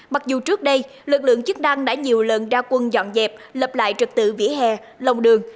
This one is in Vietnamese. mặc dù trước đây lực lượng chức năng đã nhiều lần ra quân dọn dẹp lập lại trật tự vỉa hè lòng đường